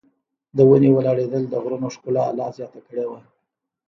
د ونې ولاړېدل د غرونو ښکلا لا زیاته کړې وه.